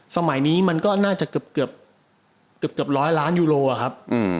สมัยนี้มันก็น่าจะเกือบร้อยล้านยูโรครับ